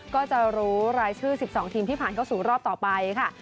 ก็จะรู้รายชื่อ๑๒ทีมที่ผ่านเข้าสู่รอบต่อไปค่ะ